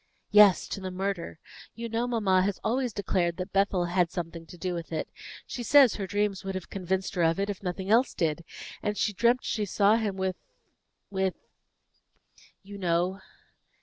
"Yes, to the murder. You know mamma has always declared that Bethel had something to do with it; she says her dreams would have convinced her of it, if nothing else did; and she dreamt she saw him with with you know."